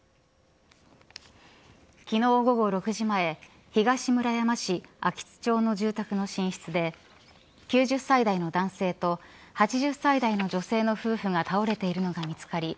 昨日、午後６時前東村山市、秋津町の住宅の寝室で９０歳代の男性と８０歳代の女性の夫婦が倒れているのが見つかり